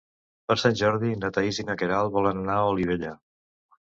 Per Sant Jordi na Thaís i na Queralt volen anar a Olivella.